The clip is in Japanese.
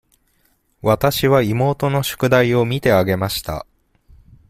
わたしは妹の宿題を見てあげました。